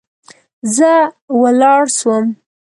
زه ولاړ سوم.